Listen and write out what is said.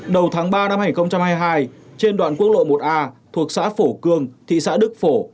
đầu tháng ba năm hai nghìn hai mươi hai trên đoạn quốc lộ một a thuộc xã phổ cương thị xã đức phổ